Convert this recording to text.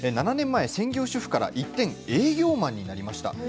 ７年前専業主婦から一転営業マンになりました。